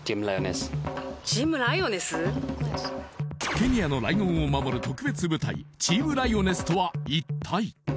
ケニアのライオンを守る特別部隊チーム・ライオネスとは一体？